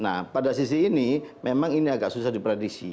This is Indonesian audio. nah pada sisi ini memang ini agak susah diprediksi